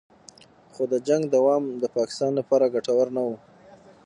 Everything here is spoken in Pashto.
خو د جنګ دوام د پاکستان لپاره ګټور نه و